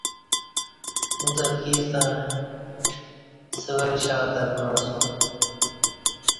اُݩڅ اتکی ستݩع سورہ شہر تہ بعا سُوم